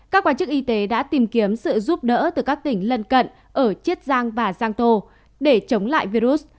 các quan chức y tế đã tìm kiếm sự giúp đỡ từ các tỉnh lân cận ở chiết giang và giang tô để chống lại virus